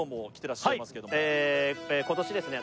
今年ですね